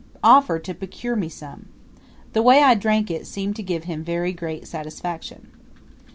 offered to procure me some. The way I drank it seemed to give him very great satisfaction.